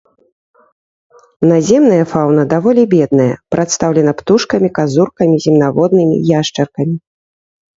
Наземная фаўна даволі бедная, прадстаўлена птушкамі, казуркамі, земнаводнымі, яшчаркамі.